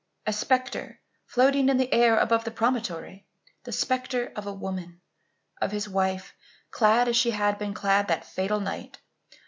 A spectre floating in the air above the promontory! The spectre of a woman of his wife, clad, as she had been clad that fatal night!